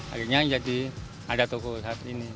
akhirnya jadi ada toko saat ini